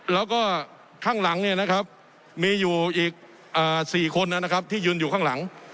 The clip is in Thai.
แล้วก็ข้างหลังเนี่ยนะครับมีอยู่อีก๔คนนะครับที่ยืนอยู่ข้างหลัง